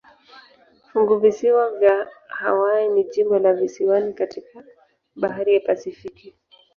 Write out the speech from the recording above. Funguvisiwa ya Hawaii ni jimbo la visiwani katika bahari ya Pasifiki.